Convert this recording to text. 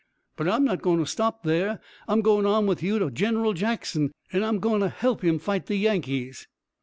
"But I'm not going to stop there. I'm goin' on with you to General Jackson, an' I'm goin' to help him fight the Yankees."